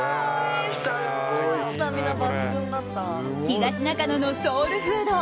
東中野のソウルフード！